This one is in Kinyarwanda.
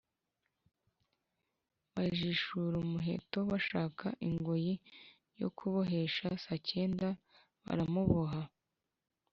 Bajishura umuheto, bashaka ingoyi yo kubohesha Sacyega, baramuboha.